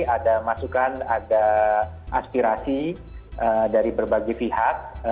ada masukan ada aspirasi dari berbagai pihak